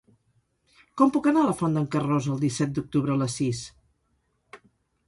Com puc anar a la Font d'en Carròs el disset d'octubre a les sis?